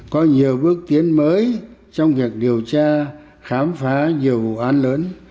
có nhiều bước tiến mới trong việc điều tra khám phá nhiều vụ án lớn